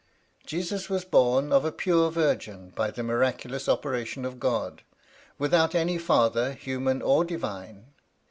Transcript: Jesus was born of a pure virgin by the miraculous operation of God, without any father human or divine.